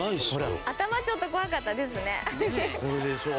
頭ちょっと怖かったですね。